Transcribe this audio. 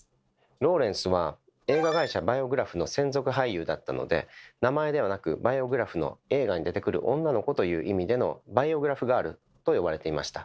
ローレンスは映画会社バイオグラフの専属俳優だったので名前ではなく「バイオグラフの映画に出てくる女の子」という意味での「バイオグラフ・ガール」と呼ばれていました。